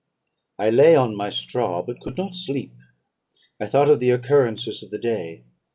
"I lay on my straw, but I could not sleep. I thought of the occurrences of the day.